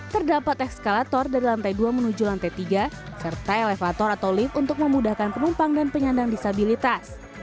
terdapat ekskalator dari lantai dua menuju lantai tiga serta elevator atau lift untuk memudahkan penumpang dan penyandang disabilitas